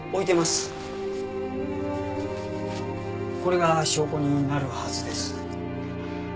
これが証拠になるはずです。